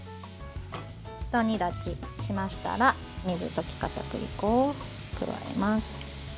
ひと煮立ちしましたら水溶きかたくり粉を加えます。